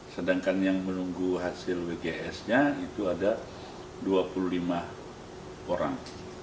sedangkan yang menunggu hasil wgs nya itu ada dua puluh lima orang